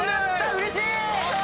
うれしい！